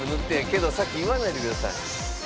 けど先言わないでください。